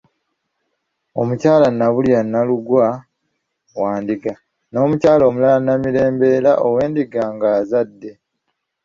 Omukyala Nnabulya Nnalugwa wa Ndiga, n'omukyala omulala Nnamirembe era ow'Endiga ng'azadde.